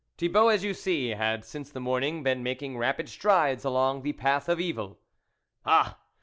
Thibault, as you see, had, since the morning, been making rapid strides along the path of evil. " Ah